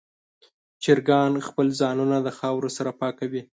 چرګان خپل ځانونه د خاورو سره پاکوي.